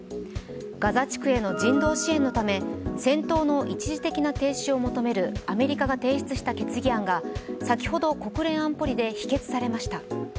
ガザ地区への人道支援のため、戦闘の一時的な停止を求めるアメリカが提出した決議案が先ほど国連安保理で否決されました。